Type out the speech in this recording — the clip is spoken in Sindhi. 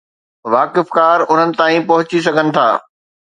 واقفڪار انهن تائين پهچي سگهن ٿا.